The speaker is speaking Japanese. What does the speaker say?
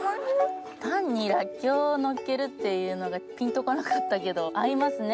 単にらっきょうをのっけるっていうのがピンとこなかったけど合いますね。